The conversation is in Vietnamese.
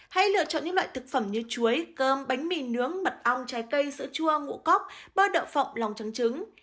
hay lựa chọn những loại thực phẩm như chuối cơm bánh mì nướng mật ong trái cây sữa chua ngũ cốc bơ đậu phộng lòng trắng trứng